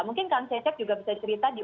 mungkin kan cecek juga bisa cerita